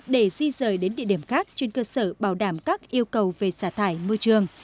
để di rời đến địa điểm khác trên cơ sở bảo đảm các yêu cầu về xả thải môi trường